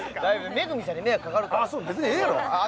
恵さんに迷惑かかるからああ